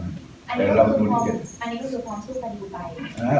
อันนี้คือความสู้กันอยู่ไป